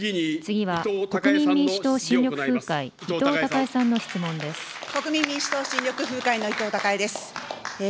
次は国民民主党・新緑風会、伊藤孝恵さんの質問です。